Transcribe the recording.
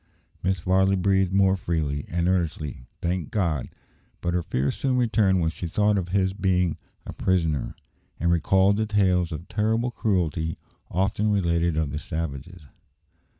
Mrs. Varley breathed more freely, and earnestly thanked God; but her fears soon returned when she thought of his being a prisoner, and recalled the tales of terrible cruelty often related of the savages.